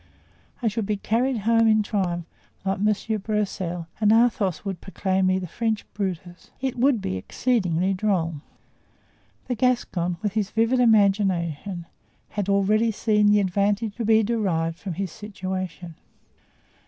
I should be carried home in triumph like Monsieur Broussel and Athos would proclaim me the French Brutus. It would be exceedingly droll." The Gascon, with his vivid imagination, had already seen the advantage to be derived from his situation.